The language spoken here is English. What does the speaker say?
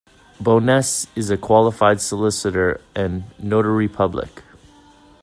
Bowness is a qualified solicitor an notary public.